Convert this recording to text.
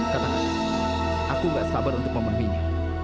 karena aku gak sabar untuk memenuhinya